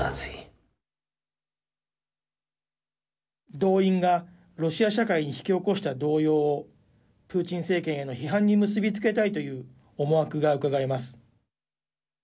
動員がロシア社会に引き起こした動揺をプーチン政権への批判に結び付けたいという思惑がうかがえます。